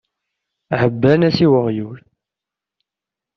Ɛebban-as i weɣyul.